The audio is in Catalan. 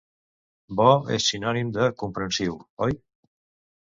Bo és sinònim de comprensiu, oi?